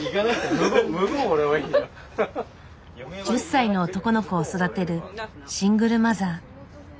１０歳の男の子を育てるシングルマザー。